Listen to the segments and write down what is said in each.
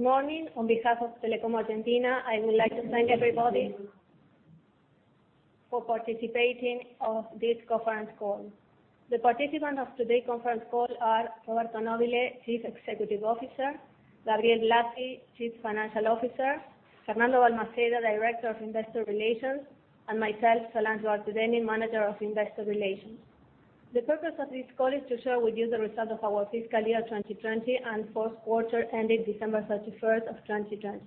Good morning. On behalf of Telecom Argentina, I would like to thank everybody for participating in this conference call. The participants of today's conference call are Roberto Nobile, Chief Executive Officer, Gabriel Blasi, Chief Financial Officer, Fernando Balmaceda, Director of Investor Relations, and myself, Solange Barthe Dennin, Manager of Investor Relations. The purpose of this call is to share with you the results of our fiscal year 2020 and fourth quarter ending December 31st of 2020.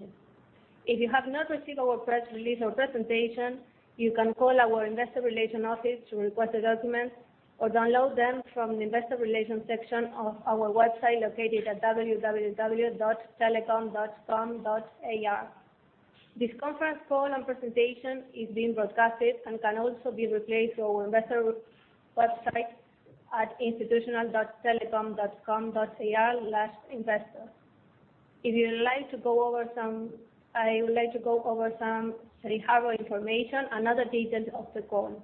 If you have not received our press release or presentation, you can call our investor relations office to request the documents or download them from the investor relations section of our website located at www.telecom.com.ar. This conference call and presentation is being broadcast and can also be replayed through our investor website at institutional.telecom.com.ar/investor. I would like to go over some safe harbor information and other details of the call.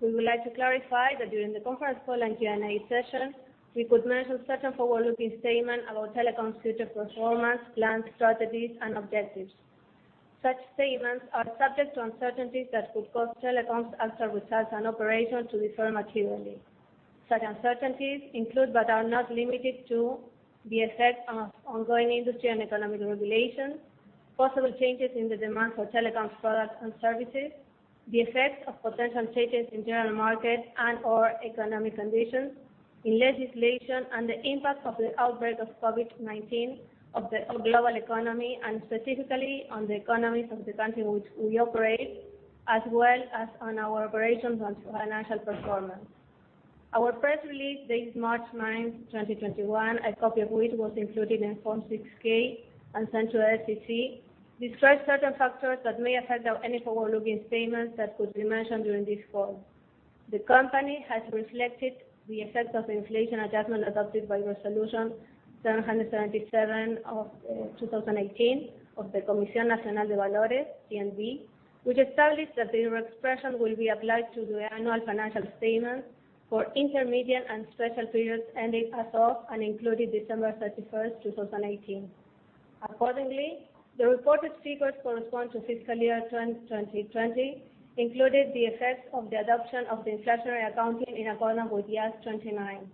We would like to clarify that during the conference call and Q&A session, we could mention certain forward-looking statements about Telecom's future performance, plans, strategies, and objectives. Such statements are subject to uncertainties that could cause Telecom's actual results and operations to differ materially. Such uncertainties include, but are not limited to, the effect of ongoing industry and economic regulations, possible changes in the demand for Telecom's products and services, the effect of potential changes in general market and/or economic conditions, in legislation, and the impact of the outbreak of COVID-19 of the global economy, and specifically on the economies of the country which we operate, as well as on our operations and financial performance. Our press release dated March 9th, 2021, a copy of which was included in Form 6-K and sent to the SEC, describes certain factors that may affect any forward-looking statements that could be mentioned during this call. The company has reflected the effect of the inflation adjustment adopted by Resolution 777 of 2018 of the Comisión Nacional de Valores, CNV, which established that the reexpression will be applied to the annual financial statements for intermediate and special periods ending as of and including December 31st, 2018. Accordingly, the reported figures correspond to fiscal year 2020, including the effects of the adoption of the inflationary accounting in accordance with IAS 29.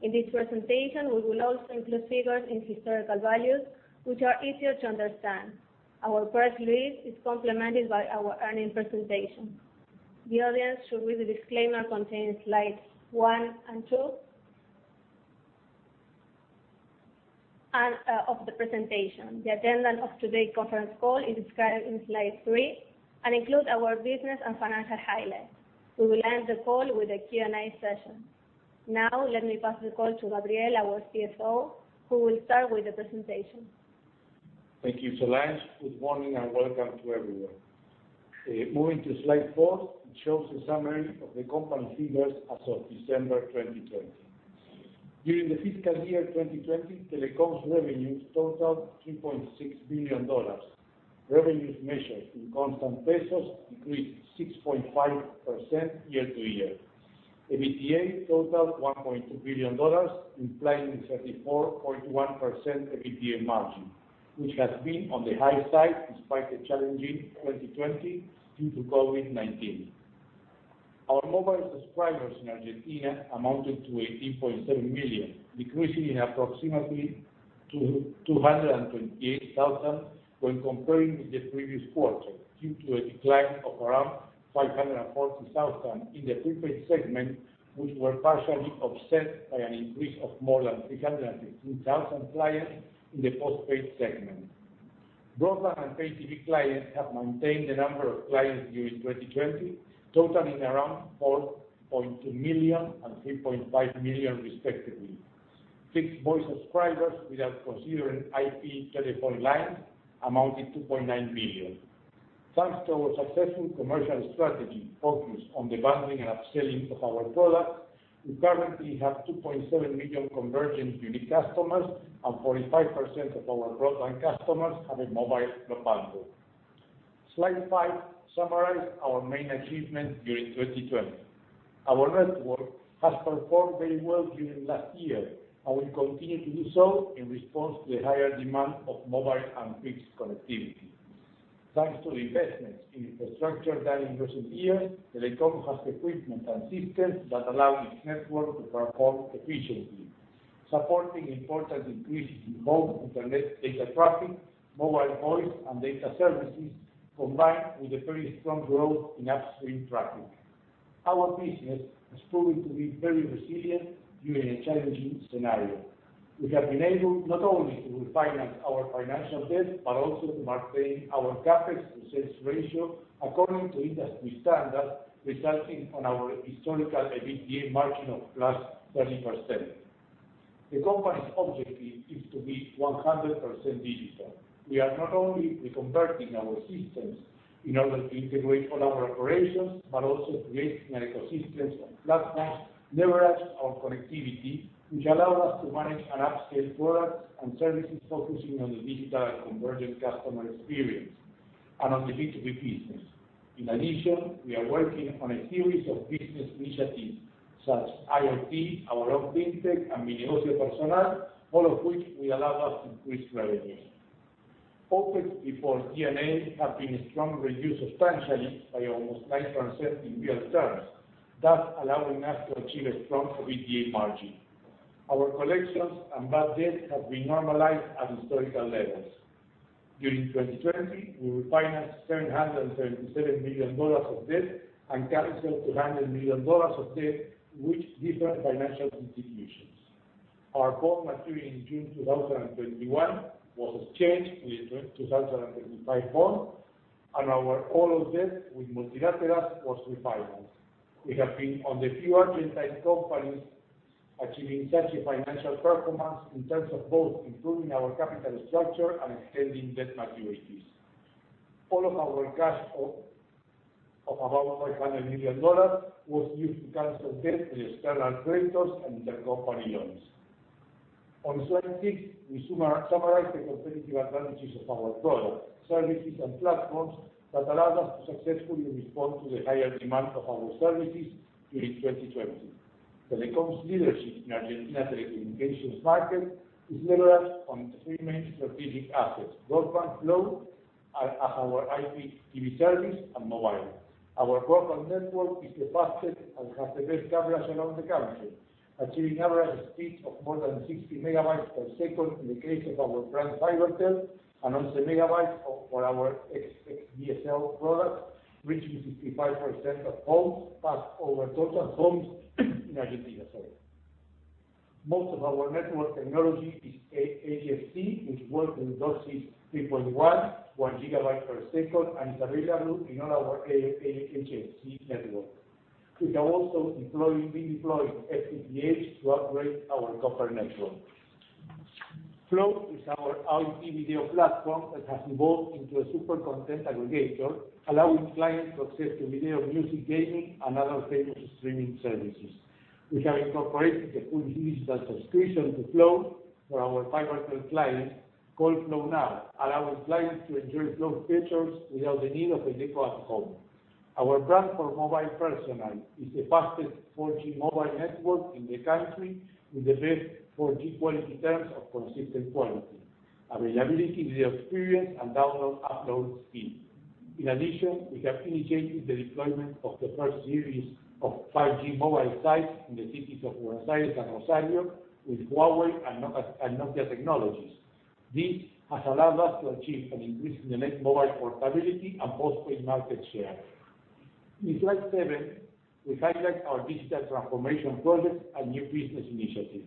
In this presentation, we will also include figures in historical values, which are easier to understand. Our press release is complemented by our earnings presentation. The audience should read the disclaimer contained in Slides one and two of the presentation. The agenda of today's conference call is described in Slide three and includes our business and financial highlights. We will end the call with a Q&A session. Let me pass the call to Gabriel, our CFO, who will start with the presentation. Thank you, Solange. Good morning and welcome to everyone. Moving to Slide four, it shows the summary of the company figures as of December 2020. During the fiscal year 2020, Telecom's revenues totaled ARS 3.6 billion. Revenues measured in constant pesos increased 6.5% year-over-year. EBITDA totaled ARS 1.2 billion, implying a 34.1% EBITDA margin, which has been on the high side despite a challenging 2020 due to COVID-19. Our mobile subscribers in Argentina amounted to 18.7 million, decreasing approximately 228,000 when comparing with the previous quarter due to a decline of around 540,000 in the prepaid segment, which were partially offset by an increase of more than 315,000 clients in the postpaid segment. Broadband and Pay TV clients have maintained the number of clients during 2020, totaling around 4.2 million and 3.5 million respectively. Fixed voice subscribers, without considering IP telephone lines, amounted to 2.9 million. Thanks to our successful commercial strategy focused on the bundling and upselling of our products, we currently have 2.7 million convergent unique customers, and 45% of our broadband customers have a mobile bundle. Slide five summarizes our main achievements during 2020. Our network has performed very well during last year and will continue to do so in response to the higher demand of mobile and fixed connectivity. Thanks to investments in infrastructure done in recent years, Telecom has equipment and systems that allow its network to perform efficiently, supporting important increases in both internet data traffic, mobile voice, and data services, combined with a very strong growth in upstream traffic. Our business has proven to be very resilient during a challenging scenario. We have been able not only to refinance our financial debt, but also to maintain our CapEx to sales ratio according to industry standards, resulting in our historical EBITDA margin of +30%. The company's objective is to be 100% digital. We are not only reconverting our systems in order to integrate all our operations, but also creating ecosystems and platforms, leverage our connectivity, which allow us to manage and upscale products and services focusing on the digital and convergent customer experience. On the B2B business. In addition, we are working on a series of business initiatives such as IoT, our own FinTech, and Mi Negocio Personal, all of which will allow us to increase revenues. OpEx before D&A have been strong, reduced substantially by almost 9% in real terms, thus allowing us to achieve a strong EBITDA margin. Our collections and bad debt have been normalized at historical levels. During 2020, we refinanced $777 million of debt and canceled $200 million of debt with different financial institutions. Our bond maturing in June 2021 was exchanged with a 2025 bond, and our old debt with multilateral was refinanced. We have been one of the few Argentina companies achieving such a financial performance in terms of both improving our capital structure and extending debt maturities. All of our cash of about $500 million was used to cancel debt with external creditors and intercompany loans. On slide six, we summarize the competitive advantages of our product, services, and platforms that allowed us to successfully respond to the higher demand of our services during 2020. Telecom's leadership in Argentina telecommunications market is leveraged on three main strategic assets, broadband, Flow, our IPTV service, and mobile. Our broadband network is the fastest and has the best coverage around the country, achieving average speeds of more than 60 megabytes per second in the case of our brand Fibertel, and also megabytes for our xDSL product, reaching 65% of homes, passed over total homes in Argentina. Sorry. Most of our network technology is aXGP, which works with DOCSIS 3.1, one gigabyte per second, and is available in all our aXGP network. We have also been deploying FTTH to upgrade our copper network. Flow is our IoT video platform that has evolved into a super content aggregator, allowing clients to access to video, music, gaming, and other famous streaming services. We have incorporated a full digital subscription to Flow for our Fibertel clients called Flow Now, allowing clients to enjoy Flow features without the need of a deco at home. Our brand for mobile Personal is the fastest 4G mobile network in the country with the best 4G quality in terms of consistent quality, availability, user experience, and download, upload speed. In addition, we have initiated the deployment of the first series of 5G mobile sites in the cities of Buenos Aires and Rosario with Huawei and Nokia technologies. This has allowed us to achieve an increase in the net mobile portability and postpaid market share. In slide seven, we highlight our digital transformation projects and new business initiatives.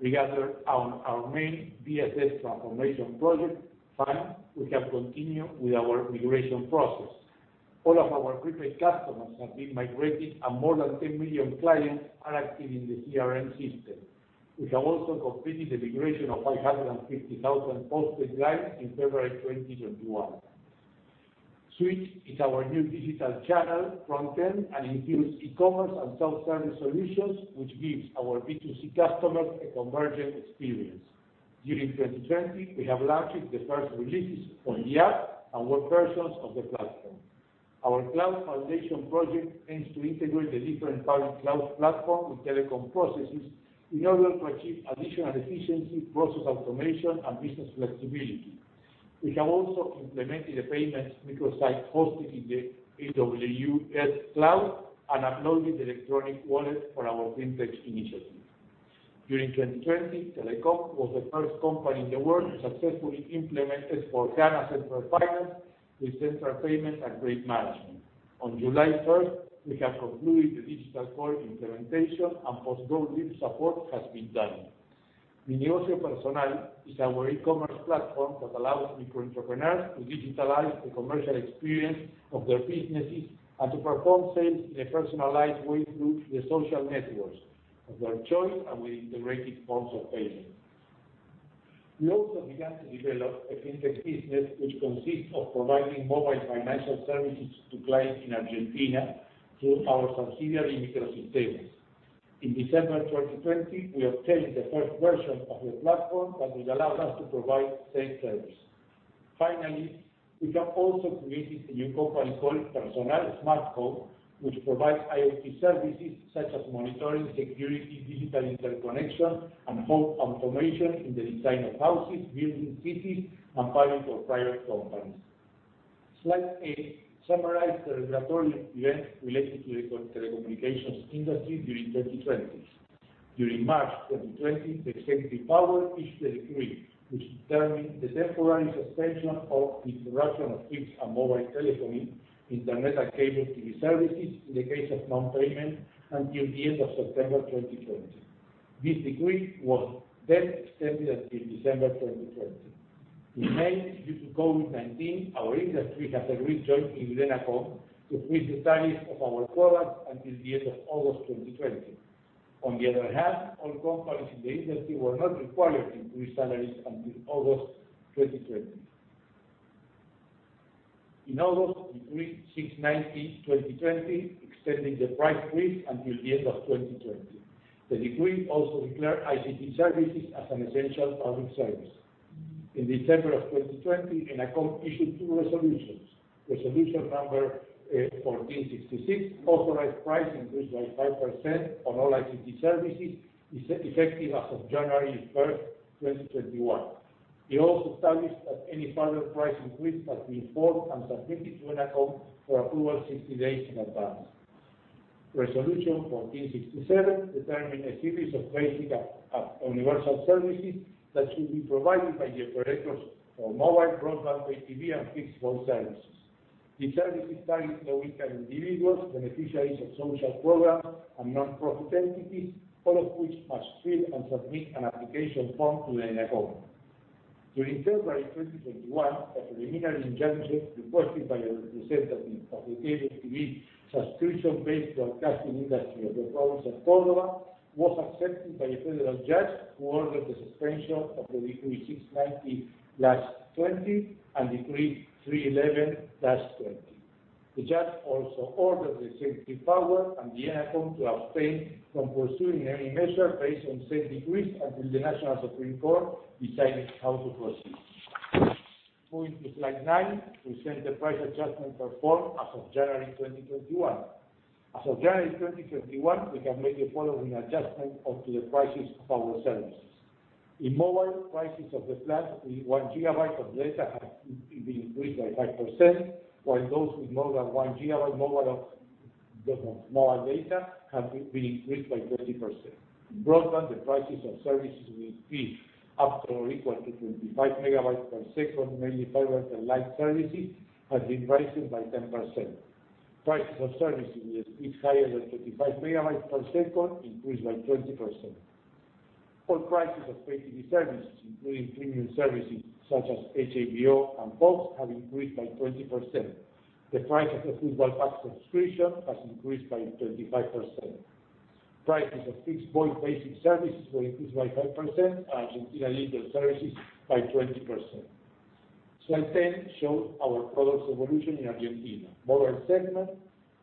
Regarding our main BSS transformation project, finally, we have continued with our migration process. All of our prepaid customers have been migrated and more than 10 million clients are active in the CRM system. We have also completed the migration of 550,000 postpaid clients in February 2021. Switch is our new digital channel front end, and includes e-commerce and self-service solutions, which gives our B2C customers a convergent experience. During 2020, we have launched the first releases on the app and web versions of the platform. Our cloud foundation project aims to integrate the different public cloud platforms with Telecom processes in order to achieve additional efficiency, process automation, and business flexibility. We have also implemented a payments microsite hosted in the AWS cloud and uploaded electronic wallet for our FinTech initiative. During 2020, Telecom was the first company in the world to successfully implement S/4HANA Central Finance with central payment and rate management. On July 1st, we have concluded the digital core implementation and post-go-live support has been done. Mi Negocio Personal is our e-commerce platform that allows micro entrepreneurs to digitalize the commercial experience of their businesses and to perform sales in a personalized way through the social networks of their choice and with integrated forms of payment. We also began to develop a FinTech business, which consists of providing mobile financial services to clients in Argentina through our subsidiary, Micro Sistemas. In December 2020, we obtained the first version of the platform that will allow us to provide safe service. Finally, we have also created a new company called Personal Smart Home, which provides IoT services such as monitoring, security, digital interconnection, and home automation in the design of houses, buildings, cities, and public or private companies. Slide eight summarize the regulatory events related to the telecommunications industry during 2020. During March 2020, the executive power issued a decree, which determined the temporary suspension of the interruption of fixed and mobile telephony, internet, and cable TV services in the case of non-payment until the end of September 2020. This decree was extended until December 2020. In May, due to COVID-19, our industry had agreed in ENACOM to freeze the tariffs of our products until the end of August 2020. On the other hand, all companies in the industry were not required to freeze salaries until August 2020. In August, Decree 690/2020 extended the price freeze until the end of 2020. The decree also declared ICT services as an essential public service. In December of 2020, ENACOM issued two resolutions. Resolution number 1466 authorized price increase by 5% on all ICT services, effective as of January 1st, 2021. It also established that any further price increase must be informed and submitted to ENACOM for approval 60 days in advance. Resolution 1467 determined a series of basic universal services that should be provided by the operators for mobile, broadband, pay TV, and fixed phone services. These services target low-income individuals, beneficiaries of social programs, and non-profit entities, all of which must fill and submit an application form to the ENACOM. During February 2021, a preliminary injunction requested by a representative of the cable TV subscription-based broadcasting industry of the province of Córdoba was accepted by a federal judge, who ordered the suspension of Decree 690/2020 and Decree 311/2020. The judge also ordered the executive power and the ENACOM to abstain from pursuing any measure based on said decrees until the Supreme Court of Justice of the Nation decides how to proceed. Moving to slide nine, we set the price adjustment performed as of January 2021. As of January 2021, we have made the following adjustment to the prices of our services. In mobile, prices of the plans with one gigabyte of data have been increased by 5%, while those with more than one gigabyte of mobile data have been increased by 20%. In broadband, the prices of services with speed up to or equal to 25 megabytes per second, mainly Fiber to the Home services, have been raised by 10%. Prices for services with speed higher than 25 megabytes per second increased by 20%. All prices of pay TV services, including premium services such as HBO and Fox, have increased by 20%. The price of the football pack subscription has increased by 25%. Prices of fixed voice basic services were increased by 5%, and Argentina legal services by 20%. Slide 10 shows our products evolution in Argentina. Mobile segment,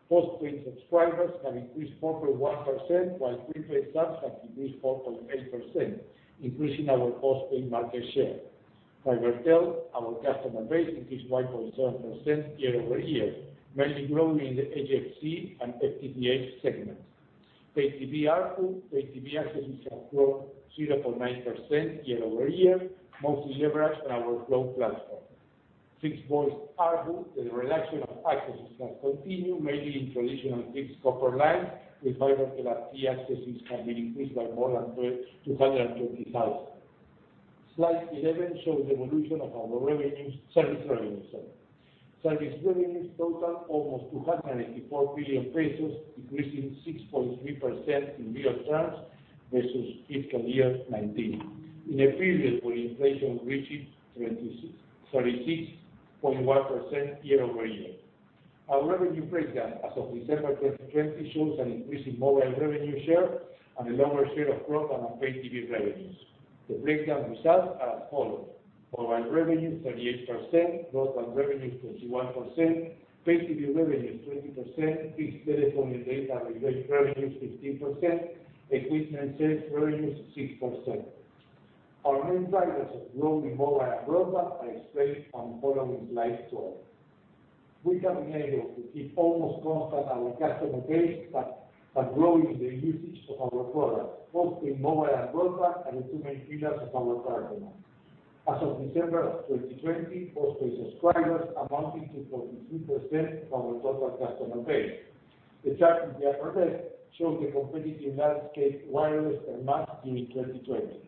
postpaid subscribers have increased 4.1%, while prepaid subs have increased 4.8%, increasing our postpaid market share. Fibertel, our customer base increased 5.7% year-over-year, mainly growing in the HFC and FTTH segments. Pay TV ARPU. Pay TV access have grown 0.9% year-over-year, mostly leveraged on our Flow platform. Fixed voice ARPU, the reduction of accesses has continued, mainly in traditional fixed copper lines, with Fiber to the Home accesses having increased by more than 220,000. Slide 11 shows the evolution of our service revenues. Service revenues totaled almost ARS 284 billion, increasing 6.3% in real terms versus fiscal year 2019, in a period where inflation reached 36.1% year-over-year. Our revenue breakdown as of December 2020 shows an increase in mobile revenue share and a lower share of broadband and pay TV revenues. The breakdown results are as follows: mobile revenue 38%, broadband revenue 21%, pay TV revenue 20%, fixed telephone and data revenues 15%, equipment sales revenues 6%. Our main drivers of growth in mobile and broadband are explained on the following slide 12. We have been able to keep almost constant our customer base by growing the usage of our products, both in mobile and broadband, and the two main pillars of our platform. As of December of 2020, postpaid subscribers amounted to 43% of our total customer base. The chart in the upper left shows the competitive landscape wireless per month during 2020.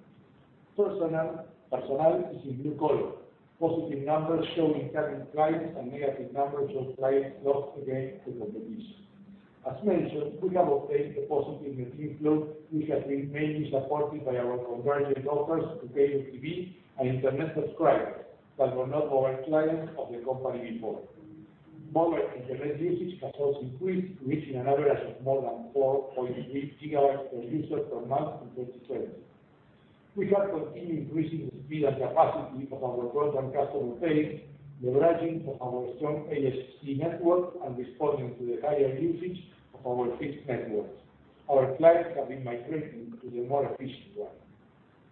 Personal is in blue color. Positive numbers show incoming clients, negative numbers show clients lost against the competition. As mentioned, we have obtained a positive net flow, which has been mainly supported by our convergent offers to pay TV and internet subscribers that were not mobile clients of the company before. Mobile internet usage has also increased, reaching an average of more than 4.3 gigabytes per user per month in 2020. We have continued increasing the speed and capacity of our broadband customer base, leveraging of our strong HFC network and responding to the higher usage of our fixed networks. Our clients have been migrating to the more efficient one.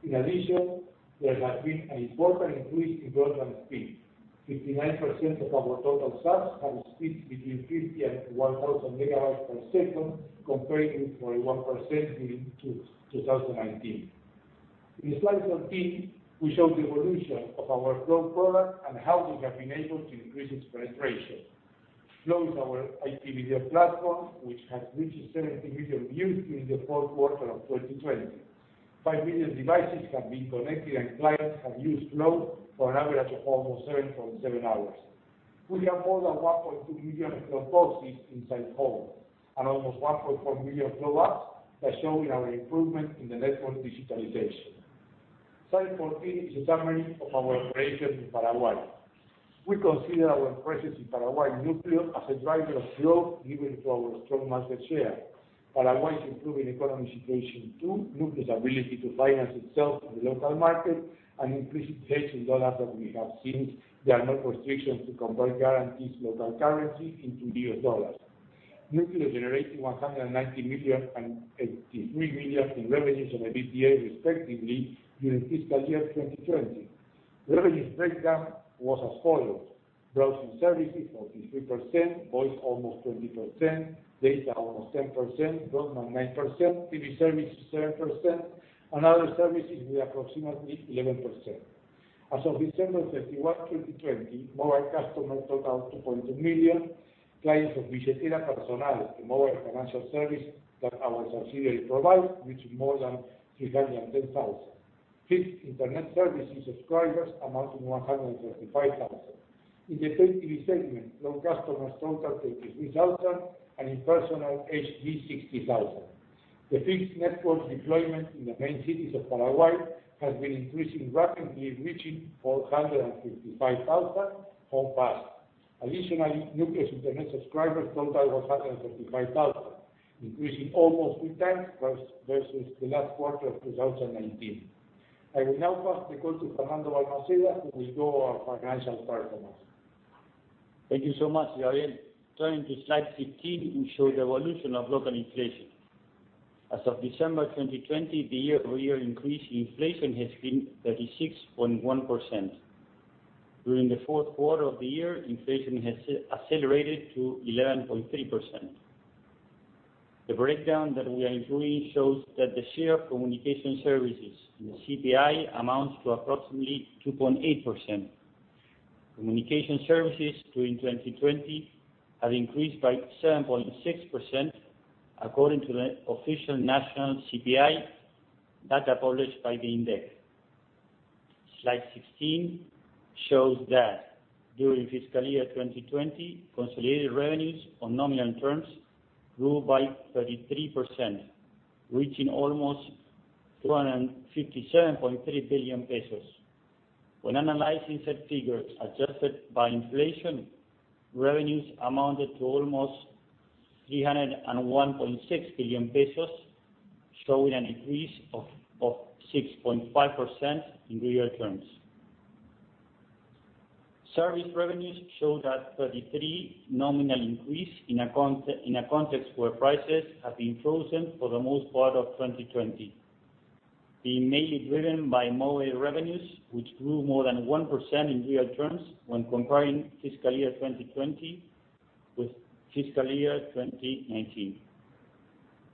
In addition, there has been an important increase in broadband speed. 59% of our total subs have a speed between 50 and 1,000 megabytes per second, compared with 41% in 2019. In slide 13, we show the evolution of our Flow product and how we have been able to increase its penetration. Flow is our IP video platform, which has reached 17 million views during the fourth quarter of 2020. 5 million devices have been connected, and clients have used Flow for an average of almost 7.7 hours. We have more than 1.2 million Flow boxes inside home and almost 1.4 million Flow apps, that show our improvement in the network digitalization. Slide 14 is a summary of our operation in Paraguay. We consider our presence in Paraguay Núcleo as a driver of growth given to our strong market share. Paraguay's improving economy situation to Núcleo's ability to finance itself in the local market and increase its hedge in US dollars that we have seen, there are no restrictions to convert guarantees local currency into US dollars. Núcleo generated 190 million and 83 million in revenues on EBITDA, respectively, during fiscal year 2020. Revenues breakdown was as follows: browsing services 43%, voice almost 20%, data almost 10%, broadband 9%, TV services 7%, and other services with approximately 11%. As of December 31, 2020, mobile customers total 2.2 million clients of Personal Pay, the mobile financial service that our subsidiary provides, reaching more than 310,000. Fixed internet services subscribers amounting to 135,000. In the pay TV segment, home customers total 33,000, and in Personal, 60,000. The fixed network deployment in the main cities of Paraguay has been increasing rapidly, reaching 455,000 homes passed. Additionally, Núcleo internet subscribers total 135,000, increasing almost three times versus the last quarter of 2019. I will now pass the call to Fernando Balmaceda, who will go over our financial performance. Thank you so much, Gabriel. Turning to slide 15, we show the evolution of local inflation. As of December 2020, the year-over-year increase in inflation has been 36.1%. During the fourth quarter of the year, inflation has accelerated to 11.3%. The breakdown that we are including shows that the share of communication services in the CPI amounts to approximately 2.8%. Communication services during 2020 have increased by 7.6%, according to the official national CPI data published by the INDEC. Slide 16 shows that during fiscal year 2020, consolidated revenues on nominal terms grew by 33%, reaching almost 257.3 billion pesos. When analyzing said figures adjusted by inflation, revenues amounted to almost 301.6 billion pesos, showing an increase of 6.5% in real terms. Service revenues showed a 33 nominal increase in a context where prices have been frozen for the most part of 2020, being mainly driven by mobile revenues, which grew more than 1% in real terms when comparing fiscal year 2020 with fiscal year 2019.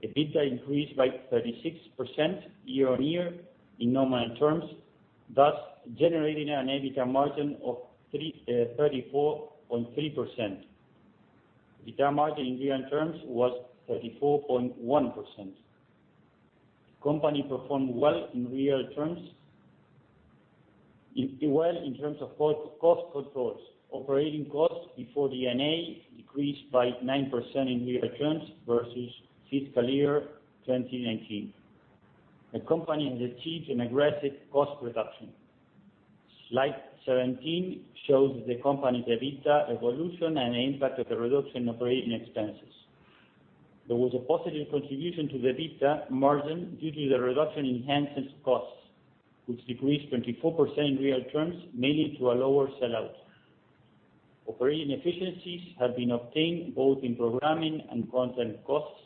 EBITDA increased by 36% year-on-year in nominal terms, thus generating an EBITDA margin of 34.3%. EBITDA margin in real terms was 34.1%. Company performed well in terms of cost controls. Operating costs before D&A decreased by 9% in real terms versus fiscal year 2019. The company achieved an aggressive cost reduction. Slide 17 shows the company's EBITDA evolution and the impact of the reduction in operating expenses. There was a positive contribution to the EBITDA margin due to the reduction in handheld costs, which decreased 24% in real terms, mainly due to a lower sell-out. Operating efficiencies have been obtained both in programming and content costs,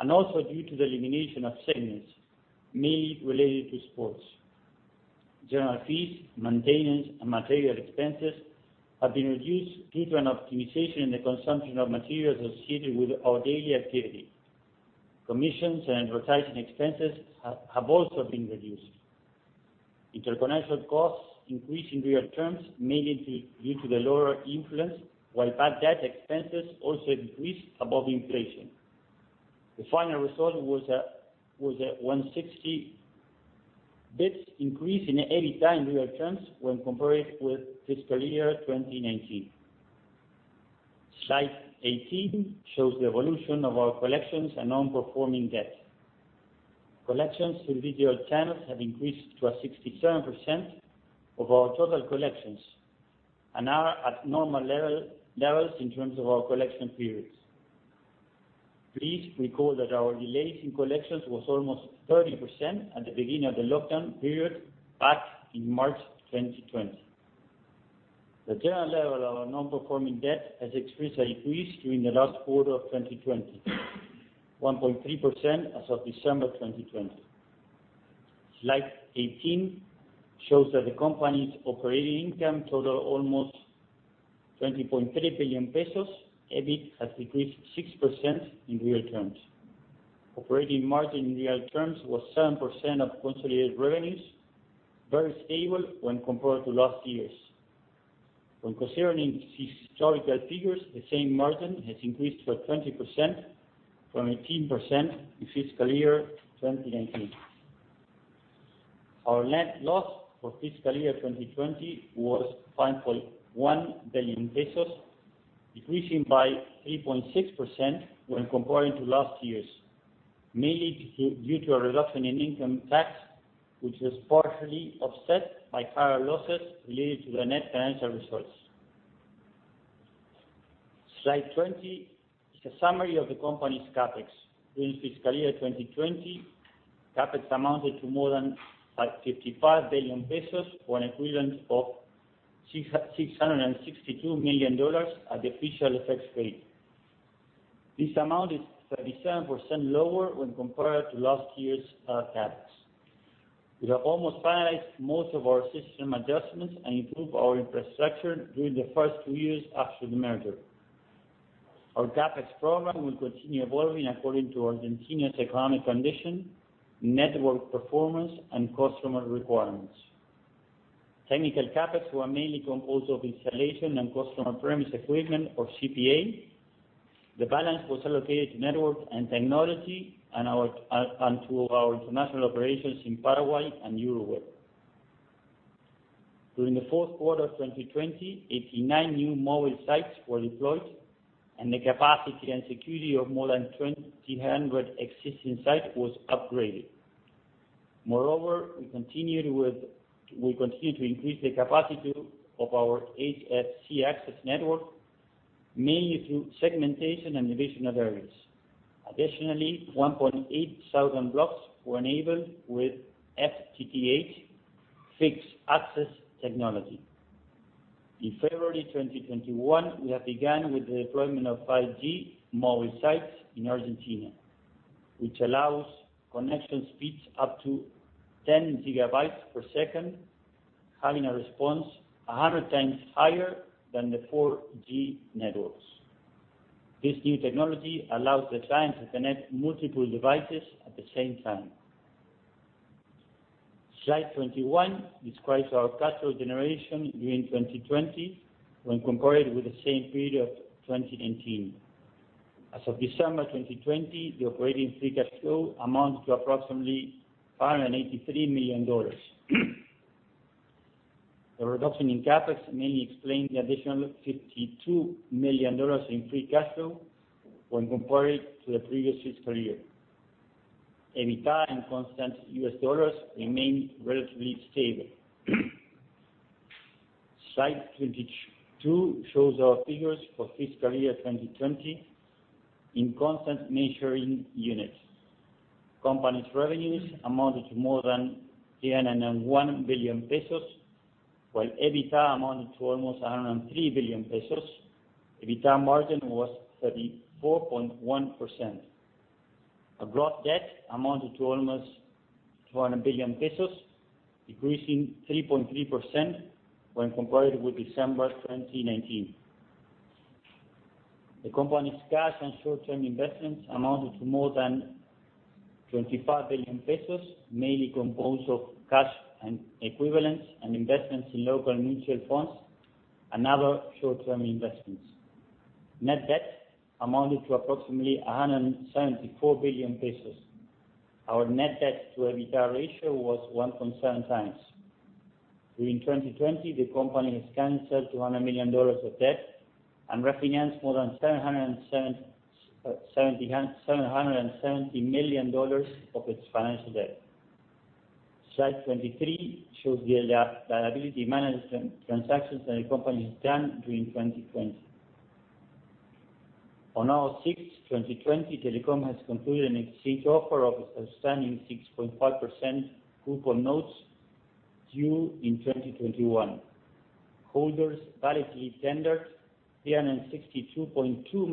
and also due to the elimination of segments, mainly related to sports. General fees, maintenance, and material expenses have been reduced due to an optimization in the consumption of materials associated with our daily activity. Commissions and advertising expenses have also been reduced. Interconnection costs increased in real terms, mainly due to the lower influence, while bad debt expenses also decreased above inflation. The final result was a 160 basis points increase in EBITDA in real terms when compared with fiscal year 2019. Slide 18 shows the evolution of our collections and non-performing debt. Collections through digital channels have increased to a 67% of our total collections and are at normal levels in terms of our collection periods. Please recall that our delays in collections was almost 30% at the beginning of the lockdown period back in March 2020. The general level of our non-performing debt has experienced a decrease during the last quarter of 2020, 1.3% as of December 2020. Slide 18 shows that the company's operating income totaled almost 20.3 billion pesos. EBIT has decreased 6% in real terms. Operating margin in real terms was 7% of consolidated revenues, very stable when compared to last year's. When considering historical figures, the same margin has increased by 20% from 18% in fiscal year 2019. Our net loss for fiscal year 2020 was 5.1 billion pesos, decreasing by 3.6% when comparing to last year's, mainly due to a reduction in income tax, which was partially offset by higher losses related to the net financial results. Slide 20 is a summary of the company's CapEx. During fiscal year 2020, CapEx amounted to more than 55 billion pesos, or an equivalent of $662 million at the official FX rate. This amount is 37% lower when compared to last year's CapEx. We have almost finalized most of our system adjustments and improved our infrastructure during the first two years after the merger. Our CapEx program will continue evolving according to Argentina's economic condition, network performance, and customer requirements. Technical CapEx were mainly composed of installation and customer premise equipment or CPE. The balance was allocated to network and technology, and to our international operations in Paraguay and Uruguay. During the fourth quarter of 2020, 89 new mobile sites were deployed, and the capacity and security of more than 2,000 existing sites was upgraded. Moreover, we continue to increase the capacity of our HFC access network, mainly through segmentation and division of areas. Additionally, 1.8 thousand blocks were enabled with FTTH fixed access technology. In February 2021, we have begun with the deployment of 5G mobile sites in Argentina, which allows connection speeds up to 10 gigabytes per second, having a response 100 times higher than the 4G networks. This new technology allows the client to connect multiple devices at the same time. Slide 21 describes our cash flow generation during 2020 when compared with the same period of 2019. As of December 2020, the operating free cash flow amounts to approximately ARS 583 million. The reduction in CapEx mainly explains the additional ARS 52 million in free cash flow when compared to the previous fiscal year. EBITDA in constant US dollars remained relatively stable. Slide 22 shows our figures for fiscal year 2020 in constant measuring units. Company's revenues amounted to more than 301 billion pesos, while EBITDA amounted to almost 103 billion pesos. EBITDA margin was 34.1%. Our gross debt amounted to almost 200 billion pesos, decreasing 3.3% when compared with December 2019. The company's cash and short-term investments amounted to more than 25 billion pesos, mainly composed of cash and equivalents and investments in local mutual funds and other short-term investments. Net debt amounted to approximately 174 billion pesos. Our net debt to EBITDA ratio was 1.7x. During 2020, the company has cancelled $200 million of debt and refinanced more than $770 million of its financial debt. Slide 23 shows the liability management transactions that the company's done during 2020. On August 6th, 2020, Telecom has concluded an exchange offer of outstanding 6.5% coupon notes due in 2021. Holders validly tendered $362.2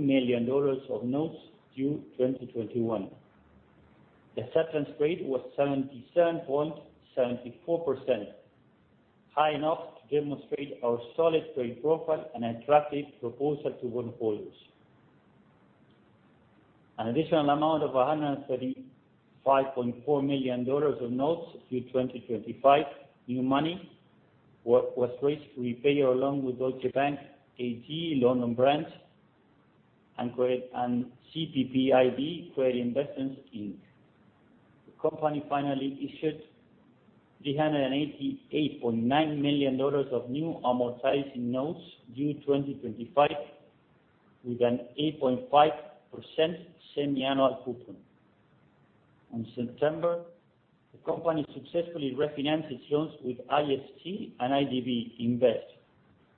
million of notes due 2021. The acceptance rate was 77.74%, high enough to demonstrate our solid credit profile and attractive proposal to bond holders. An additional amount of $135.4 million of notes due 2025, new money, was raised to repay our loan with Deutsche Bank AG, London Branch, and CPPIB Credit Investments Inc. The company finally issued $388.9 million of new amortizing notes due 2025 with an 8.5% semi-annual coupon. On September, the company successfully refinanced its loans with IFC and IDB Invest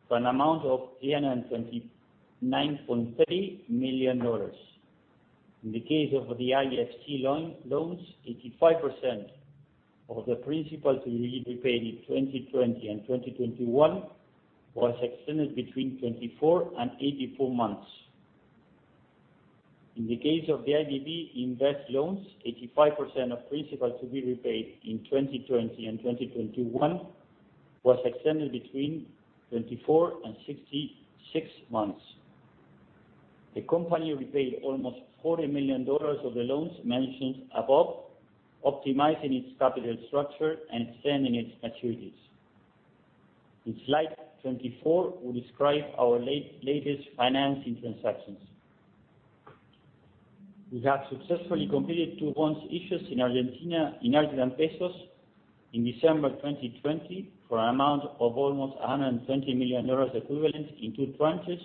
for an amount of $329.3 million. In the case of the IFC loans, 85% of the principal to be repaid in 2020 and 2021 was extended between 24 and 84 months. In the case of the IDB Invest loans, 85% of principal to be repaid in 2020 and 2021 was extended between 24 and 66 months. The company repaid almost $40 million of the loans mentioned above, optimizing its capital structure and extending its maturities. In slide 24, we describe our latest financing transactions. We have successfully completed two bonds issues in Argentina, in Argentinian pesos in December 2020 for an amount of almost $120 million equivalent in two tranches,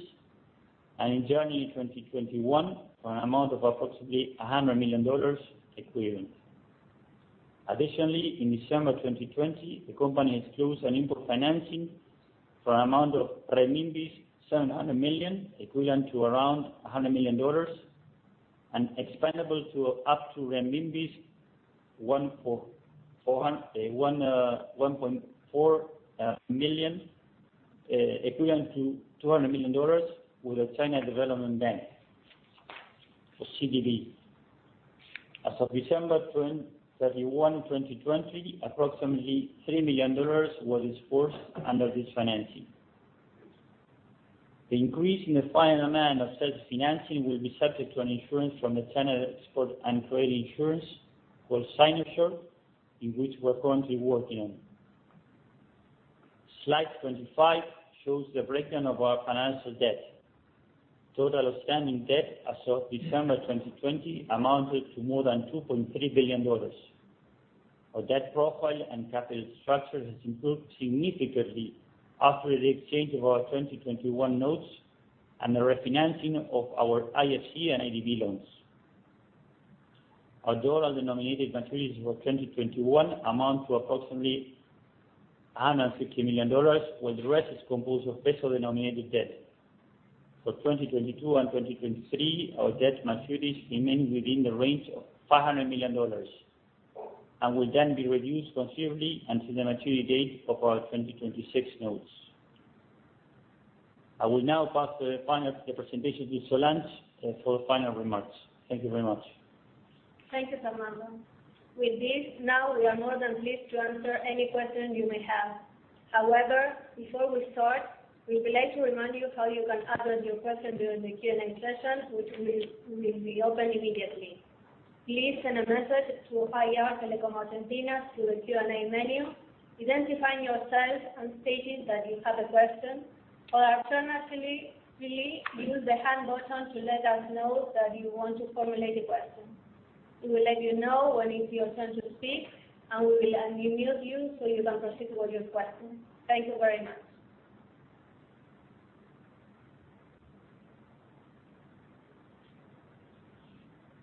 and in January 2021 for an amount of approximately $100 million equivalent. Additionally, in December 2020, the company has closed an input financing for an amount of 700 million, equivalent to around $100 million, and expandable to up to 1.4 million, equivalent to $200 million, with the China Development Bank, or CDB. As of December 31, 2020, approximately $3 million was dispersed under this financing. The increase in the final amount of such financing will be subject to an insurance from the China Export & Credit Insurance Corporation, or Sinosure, in which we're currently working on. Slide 25 shows the breakdown of our financial debt. Total outstanding debt as of December 2020 amounted to more than $2.3 billion. Our debt profile and capital structure has improved significantly after the exchange of our 2021 notes and the refinancing of our IFC and IDB loans. Our dollar-denominated maturities for 2021 amount to approximately $150 million, while the rest is composed of peso-denominated debt. For 2022 and 2023, our debt maturities remain within the range of $500 million, and will then be reduced considerably until the maturity date of our 2026 notes. I will now pass the presentation to Solange for final remarks. Thank you very much. Thank you, Fernando. With this, now we are more than pleased to answer any questions you may have. However, before we start, we would like to remind you how you can address your question during the Q&A session, which will be open immediately. Please send a message to IR Telecom Argentina through the Q&A menu, identifying yourself and stating that you have a question, or alternatively, use the Hand button to let us know that you want to formulate a question. We will let you know when it's your turn to speak, and we will unmute you so you can proceed with your question. Thank you very much.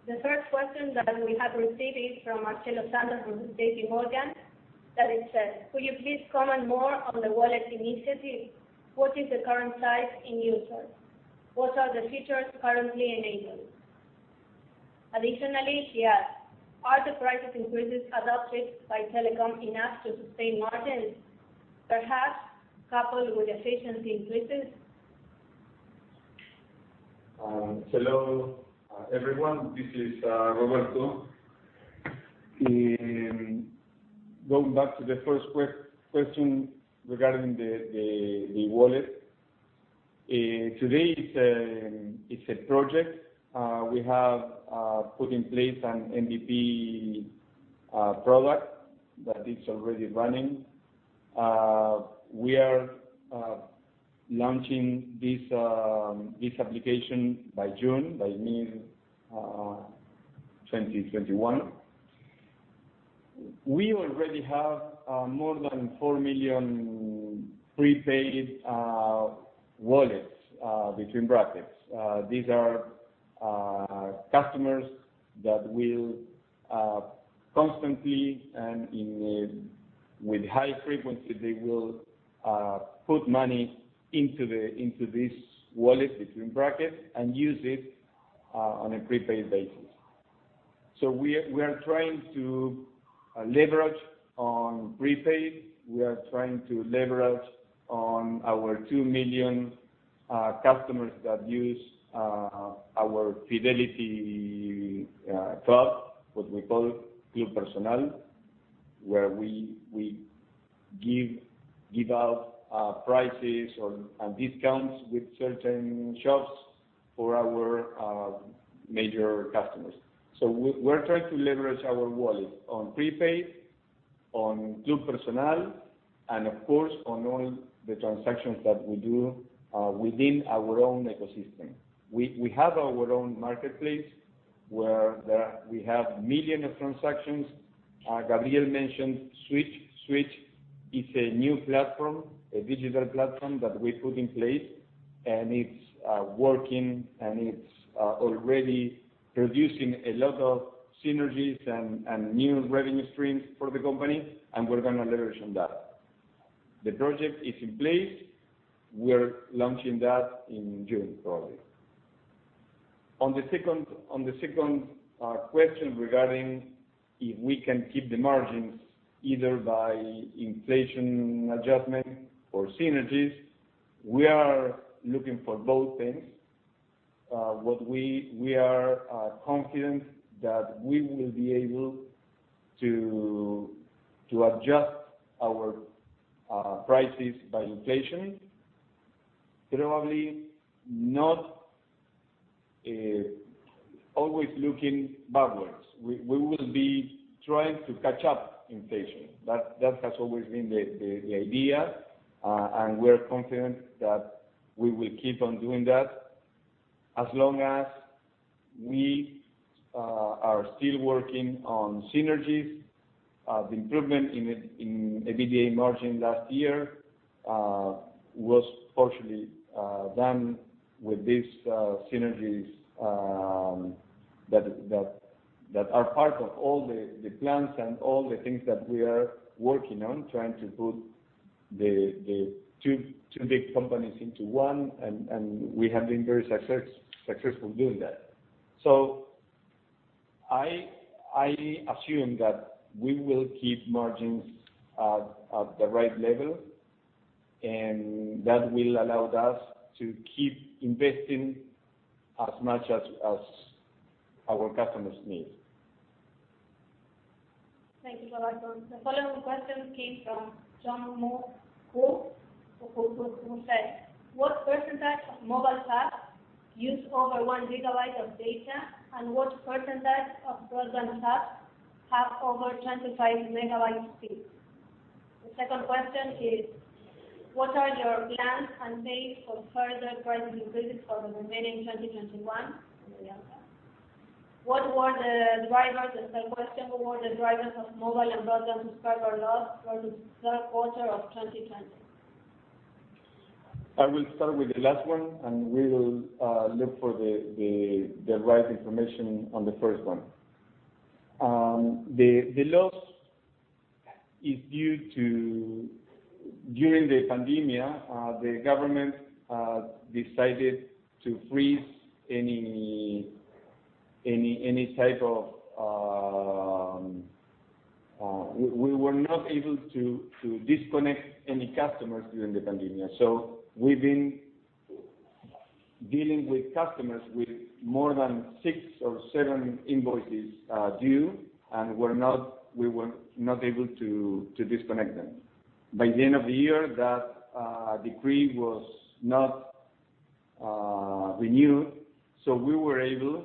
The first question that we have received is from Marcelo Santos from JPMorgan, that it says, "Could you please comment more on the wallet initiative? What is the current size in users? What are the features currently enabled?" Additionally, he adds, "Are the price increases adopted by Telecom enough to sustain margins, perhaps coupled with efficiency increases? Hello, everyone. This is Roberto. Going back to the first question regarding the wallet. Today it's a project. We have put in place an MVP product that is already running. We are launching this application by June, that means 2021. We already have more than 4 million prepaid "wallets." These are customers that will constantly, and with high frequency, they will put money into this "wallet" and use it on a prepaid basis. We are trying to leverage on prepaid. We are trying to leverage on our 2 million customers that use our fidelity club, what we call Club Personal, where we give out prices or discounts with certain shops for our major customers. We're trying to leverage our wallet on prepaid, on Club Personal, and of course, on all the transactions that we do within our own ecosystem. We have our own marketplace where we have millions of transactions. Gabriel mentioned Switch. Switch is a new platform, a digital platform that we put in place, and it's working, and it's already producing a lot of synergies and new revenue streams for the company, and we're going to leverage on that. The project is in place. We're launching that in June, probably. On the second question regarding if we can keep the margins either by inflation adjustment or synergies, we are looking for both things. What we are confident that we will be able to adjust our prices by inflation, probably not always looking backwards. We will be trying to catch up inflation. That has always been the idea, and we're confident that we will keep on doing that as long as we are still working on synergies. The improvement in EBITDA margin last year was partially done with these synergies that are part of all the plans and all the things that we are working on, trying to put the two big companies into one. We have been very successful doing that. I assume that we will keep margins at the right level, and that will allow us to keep investing as much as our customers need. Thank you, Roberto. The following question came from Juan Martin Ozores, who said, "What % of mobile subs use over 1 GB of data? And what percent of broadband subs have over 25 MB speed?" The second question is, "What are your plans and pace for further price increases for the remaining 2021 in ENACOM? What were the drivers of mobile and broadband subscriber loss for the third quarter of 2020? I will start with the last one, we will look for the right information on the first one. The loss is due to, during the pandemic, the government decided to freeze. We were not able to disconnect any customers during the pandemic. We've been dealing with customers with more than six or seven invoices due, and we were not able to disconnect them. By the end of the year, that decree was not renewed, so we were able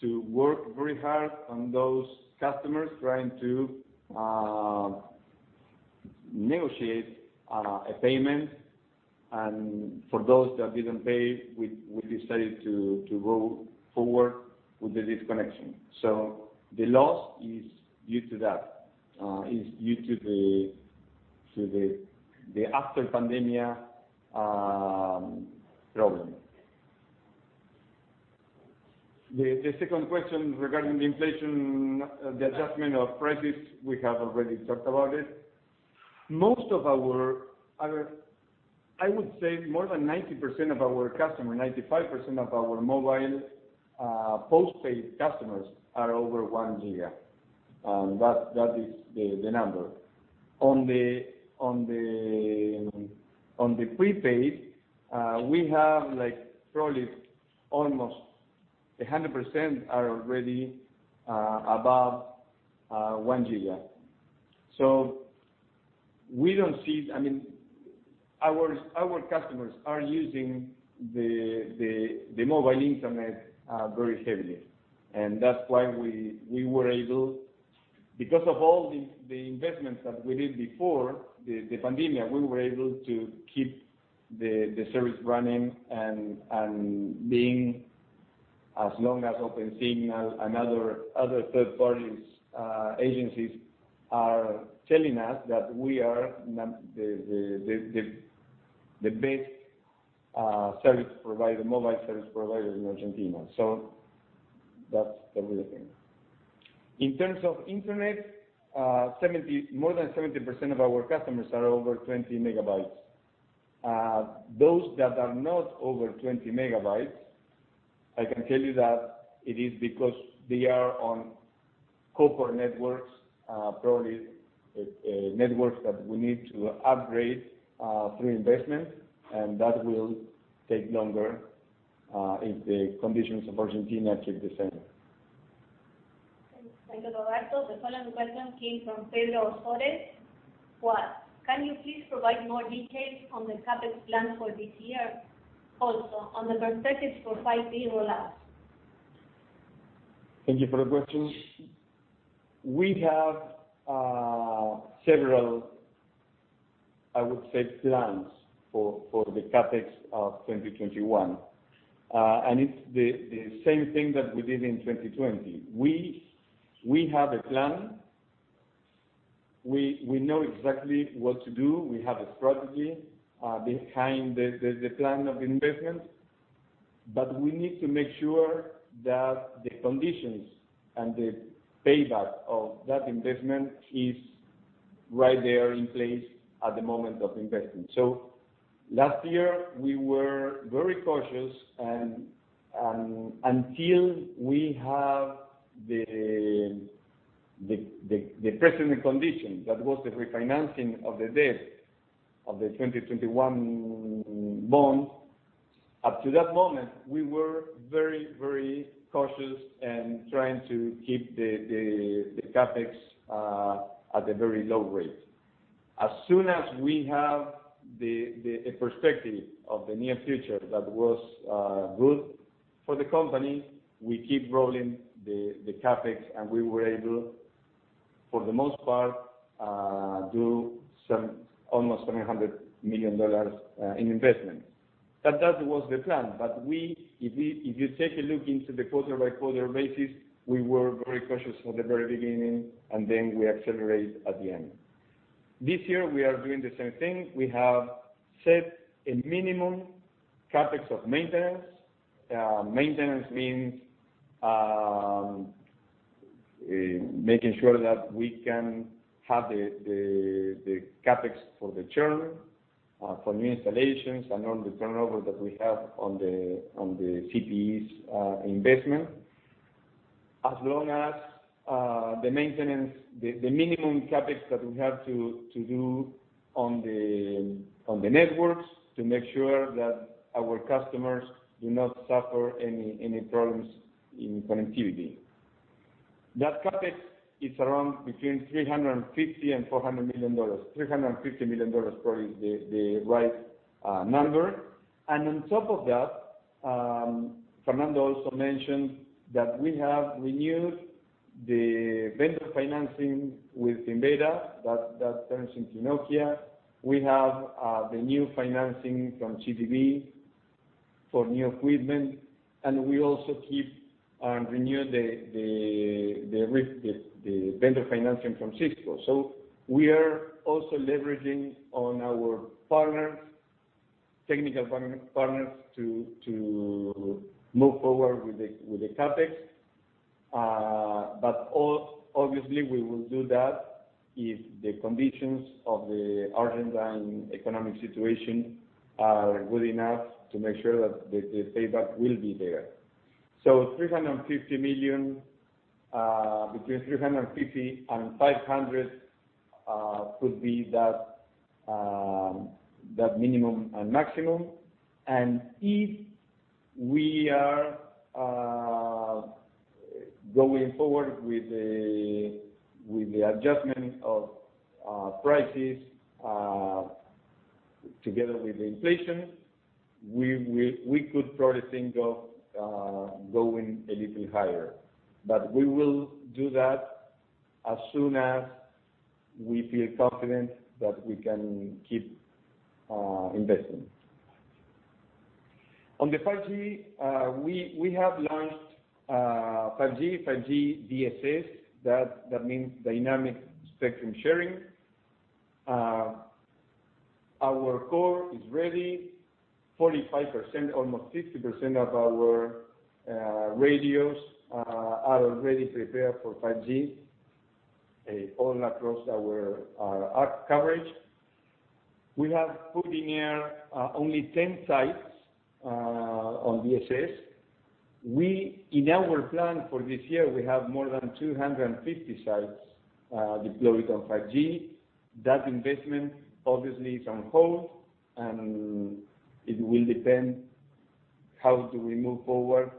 to work very hard on those customers trying to negotiate a payment. For those that didn't pay, we decided to go forward with the disconnection. The loss is due to that, is due to the after-pandemic problem. The second question regarding the inflation, the adjustment of prices, we have already talked about it. I would say more than 90% of our customer, 95% of our mobile postpaid customers are over 1 giga. That is the number. On the prepaid, we have probably almost 100% are already above 1 giga. Our customers are using the mobile internet very heavily. That's why, because of all the investments that we did before the pandemic, we were able to keep the service running and being as long as Opensignal and other third parties, agencies are telling us that we are the best mobile service provider in Argentina. That's the real thing. In terms of internet, more than 70% of our customers are over 20 megabits. Those that are not over 20 megabytes, I can tell you that it is because they are on copper networks, probably networks that we need to upgrade through investment, and that will take longer if the conditions of Argentina keep the same. Thank you, Roberto. The following question came from Pedro Ozores. "Can you please provide more details on the CapEx plan for this year, also on the perspectives for 5G rollout? Thank you for the question. We have several, I would say, plans for the CapEx of 2021. It's the same thing that we did in 2020. We have a plan. We know exactly what to do. We have a strategy behind the plan of investment, but we need to make sure that the conditions and the payback of that investment is right there in place at the moment of investment. Last year, we were very cautious, and until we have the present condition, that was the refinancing of the debt of the 2021 bond. Up to that moment, we were very cautious and trying to keep the CapEx at a very low rate. As soon as we have the perspective of the near future that was good for the company, we keep rolling the CapEx, we were able, for the most part, do almost $700 million in investment. That was the plan. If you take a look into the quarter-by-quarter basis, we were very cautious from the very beginning, and then we accelerated at the end. This year, we are doing the same thing. We have set a minimum CapEx of maintenance. Maintenance means making sure that we can have the CapEx for the churn, for new installations, and on the turnover that we have on the CPEs investment, as long as the minimum CapEx that we have to do on the networks to make sure that our customers do not suffer any problems in connectivity. That CapEx is around between 350 million and ARS 400 million. ARS 350 million probably is the right number. On top of that, Fernando also mentioned that we have renewed the vendor financing with Inveta. That turns into Nokia. We have the new financing from CDB for new equipment, and we also keep and renew the vendor financing from Cisco. We are also leveraging on our technical partners to move forward with the CapEx. Obviously, we will do that if the conditions of the Argentine economic situation are good enough to make sure that the payback will be there. Between 350 and 500 could be that minimum and maximum. If we are going forward with the adjustment of prices together with inflation, we could probably think of going a little higher. We will do that as soon as we feel confident that we can keep investing. On the 5G, we have launched 5G DSS. That means dynamic spectrum sharing. Our core is ready. 45%, almost 50% of our radios are already prepared for 5G, all across our coverage. We have put in air only 10 sites on DSS. In our plan for this year, we have more than 250 sites deployed on 5G. That investment obviously is on hold, and it will depend how do we move forward,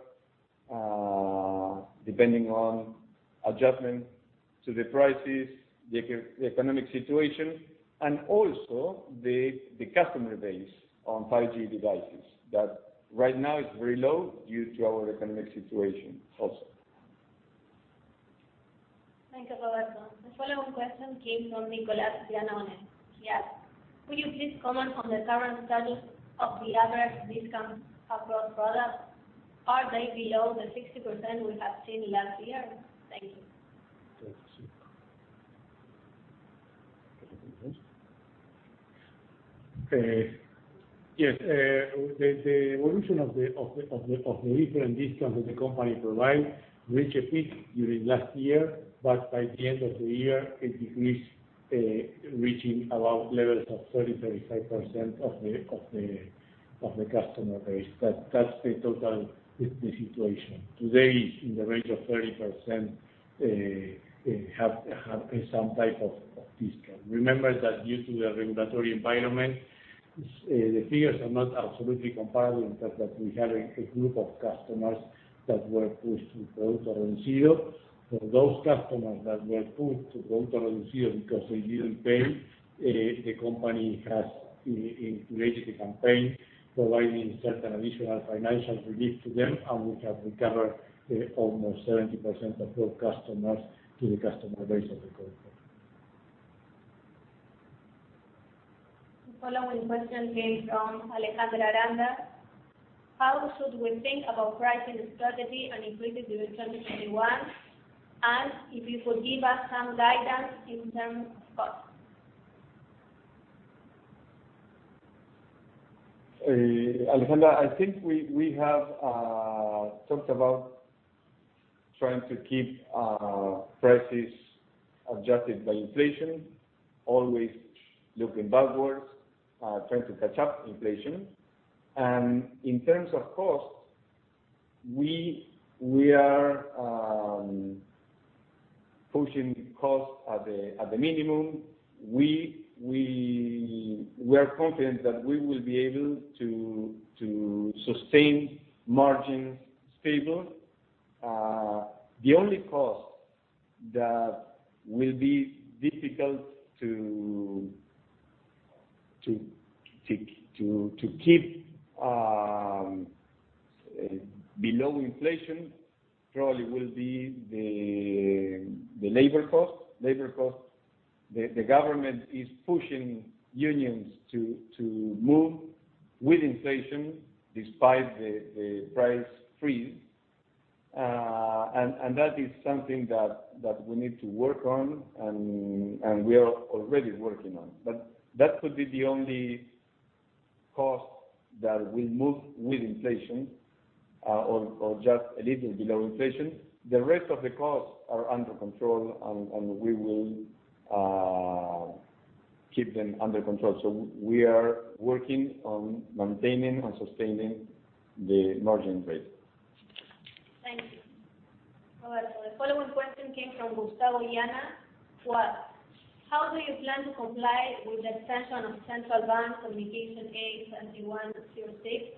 depending on adjustment to the prices, the economic situation, and also the customer base on 5G devices. That right now is very low due to our economic situation also. Thank you, Roberto. The follow-up question came from Nicolas Vianone. He asks, "Will you please comment on the current status of the average discount across products? Are they below the 60% we have seen last year? Thank you. Yes. The evolution of the different discounts that the company provide reached a peak during last year, but by the end of the year, it decreased, reaching around levels of 30%-35% of the customer base. That's the total situation. Today, in the range of 30% have some type of discount. Remember that due to the regulatory environment, the figures are not absolutely comparable in terms that we had a group of customers that were pushed to default or NCO. For those customers that were pushed to default or NCO because they didn't pay, the company has created a campaign providing certain additional financial relief to them, and we have recovered almost 70% of those customers to the customer base of the company. The follow-up question came from Alejandra Aranda. How should we think about pricing strategy and increase it during 2021? If you could give us some guidance in terms of costs. Alejandra, I think we have talked about trying to keep our prices adjusted by inflation, always looking backwards, trying to catch up inflation. In terms of cost, we are pushing costs at the minimum. We're confident that we will be able to sustain margins stable. The only cost that will be difficult to keep below inflation probably will be the labor cost. The government is pushing unions to move with inflation despite the price freeze. That is something that we need to work on and we are already working on. That could be the only cost that will move with inflation or just a little below inflation. The rest of the costs are under control, and we will keep them under control. We are working on maintaining and sustaining the margin rate. Thank you. All right. The following question came from Gustavo Yana. How do you plan to comply with the extension of Central Bank Communication A 7106,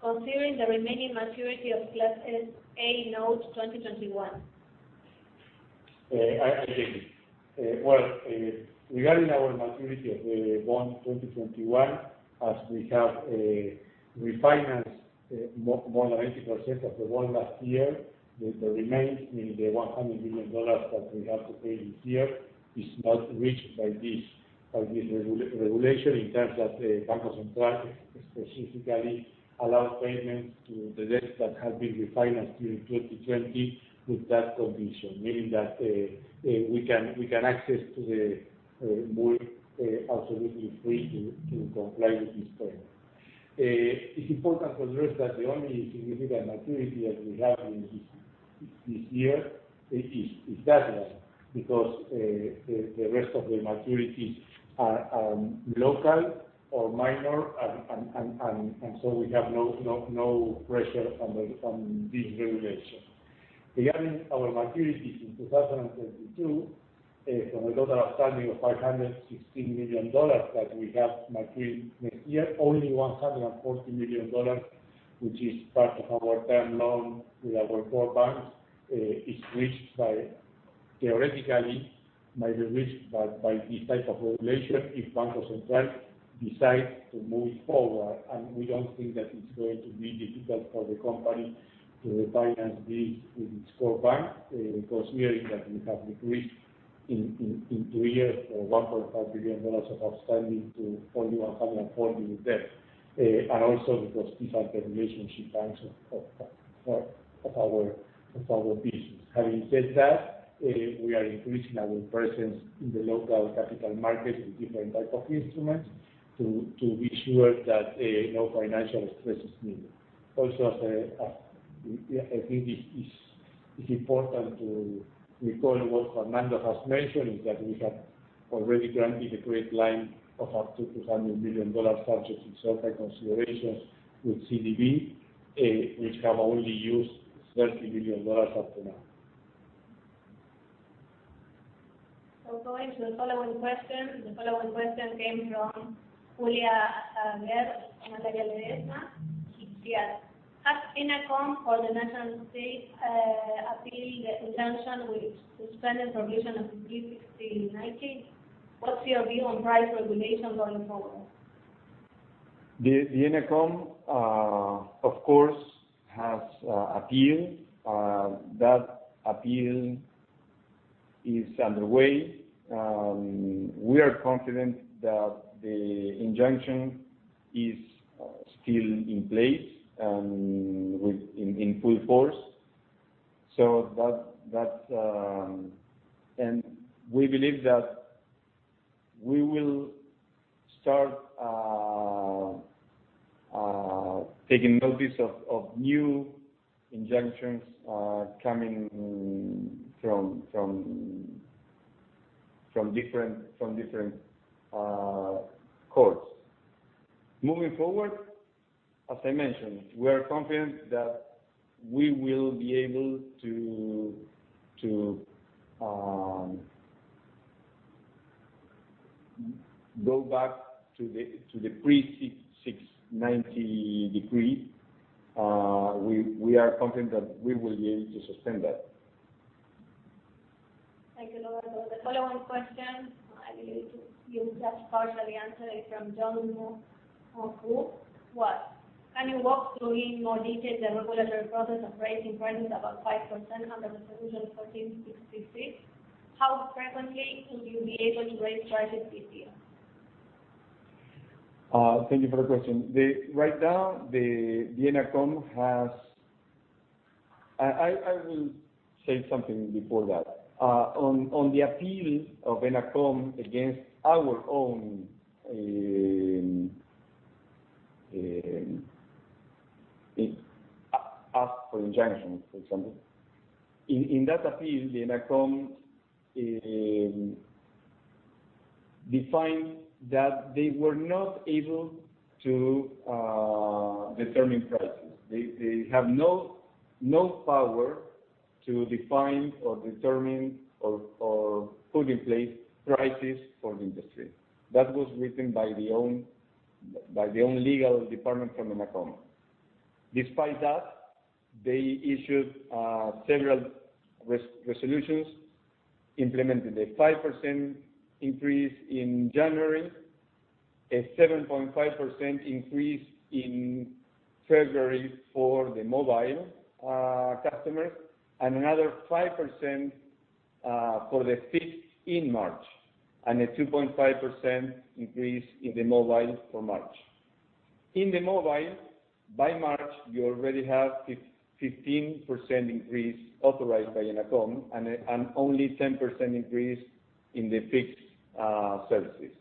considering the remaining maturity of class A notes 2021? I take it. Regarding our maturity of the bond 2021, as we have refinanced more than 90% of the bond last year, the remains, meaning the ARS 100 million that we have to pay this year, is not reached by this regulation, in terms that Banco Central specifically allows payments to the debts that have been refinanced during 2020 with that condition, meaning that we can access to the market absolutely free to comply with this term. It's important to address that the only significant maturity that we have in this year is that one, because the rest of the maturities are local or minor. We have no pressure from this regulation. Regarding our maturities in 2022, from a total outstanding of $516 million that we have maturing next year, only $140 million, which is part of our term loan with our core banks, is theoretically might be reached by this type of regulation if Banco Central decides to move it forward. We don't think that it's going to be difficult for the company to refinance this with its core bank. Meaning that we have decreased in two years from $1.5 billion of outstanding to only $140 million debt, and also because these are the relationship banks of our business. Having said that, we are increasing our presence in the local capital markets with different type of instruments to be sure that no financial stress is needed. I think it's important to recall what Fernando has mentioned, is that we have already granted a credit line of up to $200 million subject to certain considerations with CDB, which have only used $30 million up to now. Going to the following question. The following question came from Julia Saguer, Materiales. She asked, "Has ENACOM for the nation-state appealed the injunction which suspended provision of Decree 690? What's your view on price regulation going forward? The ENACOM, of course, has appealed. That appeal is underway. We are confident that the injunction is still in place and in full force. We believe that we will start taking notice of new injunctions coming from different courts. Moving forward, as I mentioned, we are confident that we will be able to go back to the pre-Decree 690. We are confident that we will be able to suspend that. Thank you, Roberto. The following question, I believe you just partially answered it, from Juan Martin Ozores, was, "Can you walk through in more detail the regulatory process of raising prices above 5% under Resolution 1466? How frequently could you be able to raise prices this year? Thank you for the question. I will say something before that. On the appeal of ENACOM against our own ask for injunction, for example. In that appeal, the ENACOM defined that they were not able to determine prices. They have no power to define or determine or put in place prices for the industry. That was written by the own legal department from ENACOM. Despite that, they issued several resolutions implementing the 5% increase in January, a 7.5% increase in February for the mobile customers, and another 5% for the fixed in March, and a 2.5% increase in the mobile for March. In the mobile, by March, you already have 15% increase authorized by ENACOM and only 10% increase in the fixed services.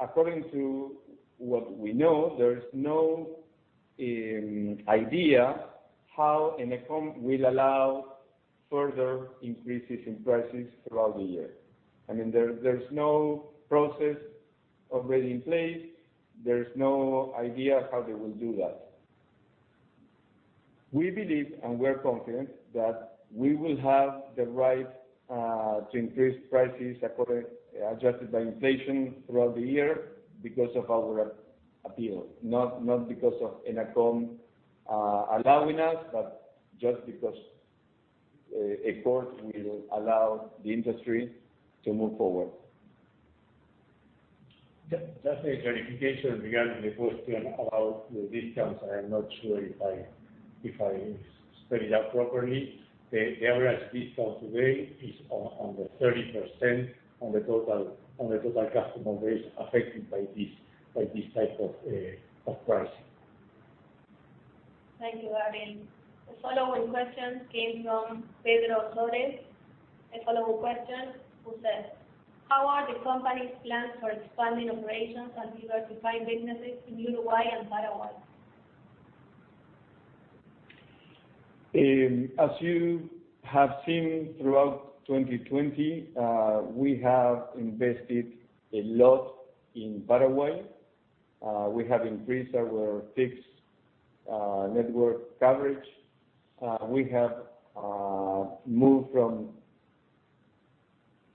According to what we know, there is no idea how ENACOM will allow further increases in prices throughout the year. There's no process already in place. There's no idea how they will do that. We believe, and we are confident, that we will have the right to increase prices according adjusted by inflation throughout the year because of our appeal, not because of ENACOM allowing us, but just because a court will allow the industry to move forward. Just a clarification regarding the question about the discounts. I am not sure if I spell it out properly. The average discount today is on the 30% on the total customer base affected by this type of price. Thank you, Gabriel . The following question came from Pedro Torres. A follow-up question who says, "How are the company's plans for expanding operations and diversifying businesses in Uruguay and Paraguay? As you have seen throughout 2020, we have invested a lot in Paraguay. We have increased our fixed network coverage. We have moved from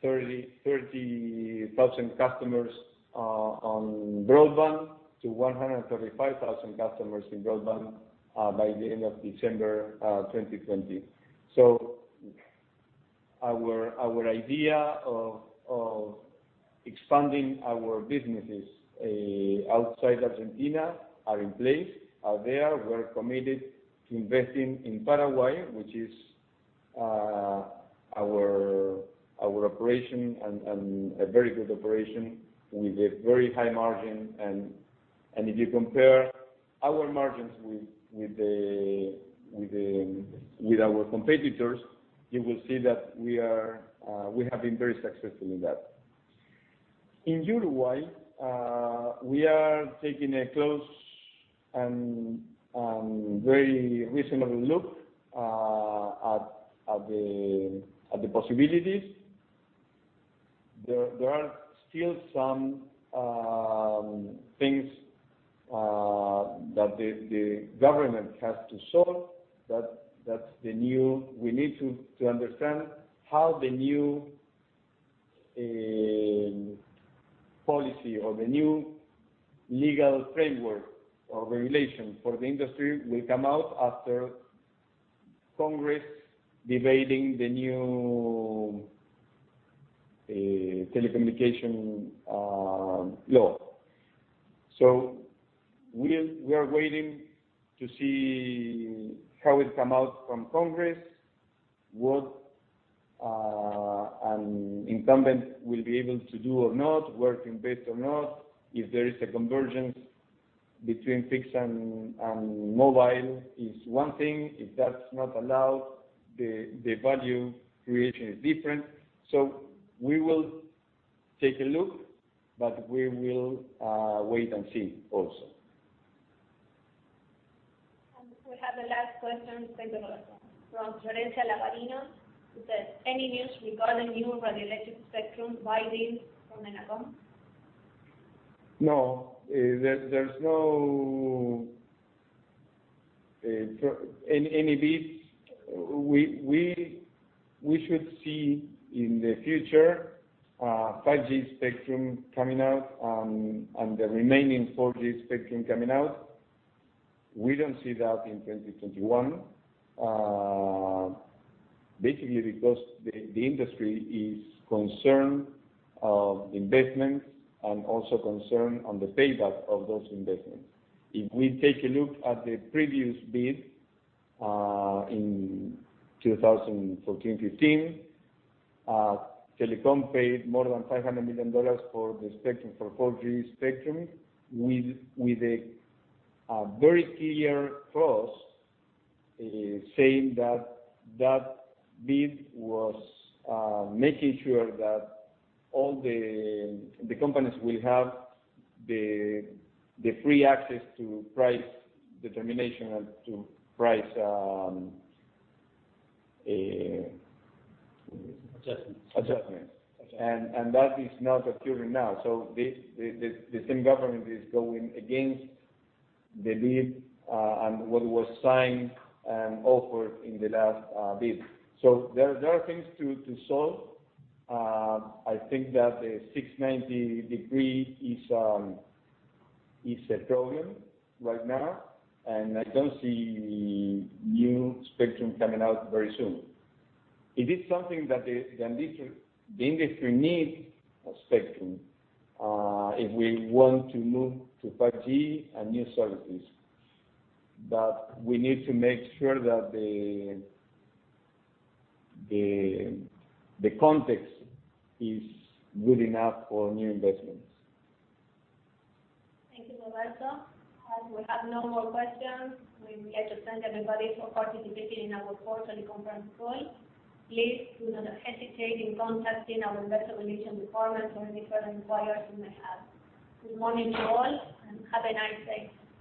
30,000 customers on broadband to 135,000 customers in broadband by the end of December 2020. Our idea of expanding our businesses outside Argentina are in place, are there. We're committed to investing in Paraguay, which is our operation and a very good operation with a very high margin. If you compare our margins with our competitors, you will see that we have been very successful in that. In Uruguay, we are taking a close and very reasonable look at the possibilities. There are still some things that the government has to solve that we need to understand how the new policy or the new legal framework or regulation for the industry will come out after Congress debating the new telecommunication law. We are waiting to see how it come out from Congress, what an incumbent will be able to do or not, work in bid or not. If there is a convergence between fixed and mobile is one thing. If that's not allowed, the value creation is different. We will take a look, but we will wait and see also. We have the last question, thank you, Roberto, from Florencia Lavarino, who says, "Any news regarding new radioelectric spectrum bidding from ENACOM? No, there's no any bids. We should see in the future 5G spectrum coming out and the remaining 4G spectrum coming out. We don't see that in 2021, basically because the industry is concerned of investments and also concerned on the payback of those investments. If we take a look at the previous bid in 2014, 2015, Telecom paid more than $500 million for the spectrum, for 4G spectrum, with a very clear clause saying that that bid was making sure that all the companies will have the free access to price determination and to price. Adjustments adjustments. That is not occurring now. The same government is going against the bid, and what was signed and offered in the last bid. There are things to solve. I think that the Decree 690 is a problem right now, and I don't see new spectrum coming out very soon. It is something that the industry needs a spectrum, if we want to move to 5G and new services. We need to make sure that the context is good enough for new investments. Thank you, Roberto. As we have no more questions, we get to thank everybody for participating in our quarterly conference call. Please do not hesitate in contacting our investor relations department for any further inquiries you may have. Good morning to you all, and have a nice day.